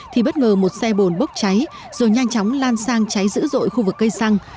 thì bất ngờ một xe bồn bốc cháy rồi nhanh chóng lan sang cháy dữ dội khu vực cây xăng